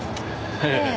ええ。